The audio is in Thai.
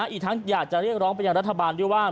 อีกทั้งอยากจะเรียกร้องไปยังรัฐบาลด้วยว่า